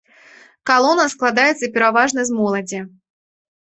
Калона складаецца пераважна з моладзі.